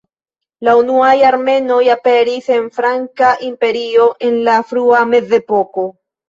La unuaj armenoj aperis en Franka imperio en la frua mezepoko.